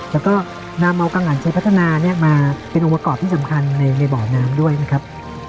แล้วก็นำเอากังหันชัยพัฒนามาเป็นองค์ประกอบที่สำคัญในบ่อน้ำด้วยนะครับ